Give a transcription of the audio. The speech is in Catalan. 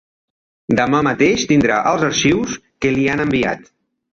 Demà mateix tindrà els arxius que li han enviat.